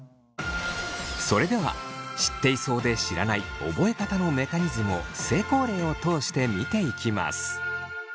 それでは知っていそうで知らない覚え方のメカニズムを成功例を通して見ていきます。